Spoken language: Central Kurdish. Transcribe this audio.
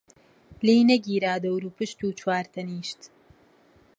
لێی نەگیرا دەوروپشت و چوار تەنیشت،